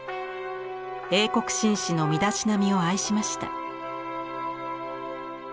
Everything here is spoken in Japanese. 英国紳士の身だしなみを愛しました。